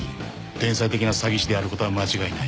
天才的な詐欺師であることは間違いない。